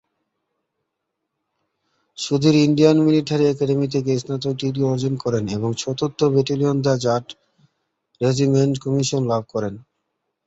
Sudhir Indian military academy থেকে স্নাতক degree অর্জন করেন এবং চতুর্থ ব্যাটালিয়নে দ্য জাট রেজিমেন্টে কমিশন লাভ করেন।